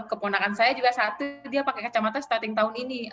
keponakan saya juga satu dia pakai kacamata starting tahun ini